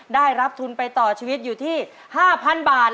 ได้รับทุนไปต่อชีวิตอยู่ที่๕๐๐๐บาท